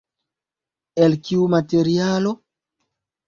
El kiu materialo?